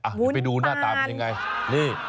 จะไปดูหน้าตาเป็นยังไง